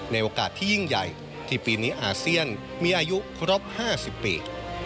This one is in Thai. ในโอกาสที่ยิ่งใหญ่ที่ปีนี้อาเซียนมีอายุครบ๕๐ปี